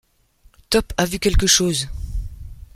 Top a vu quelque chose !...